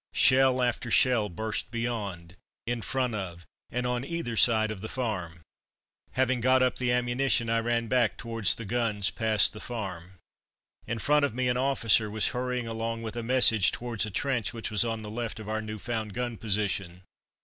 Shell after shell burst beyond, in front of, and on either side of the farm. Having got up the ammunition, I ran back towards the guns past the farm. In front of me an officer was hurrying along with a message towards a trench which was on the left of our new found gun position.